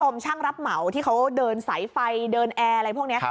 ชมช่างรับเหมาที่เขาเดินสายไฟเดินแอร์อะไรพวกนี้